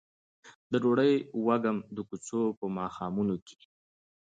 د ډوډۍ وږم د کوڅو په ماښامونو کې